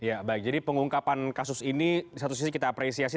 ya baik jadi pengungkapan kasus ini di satu sisi kita apresiasi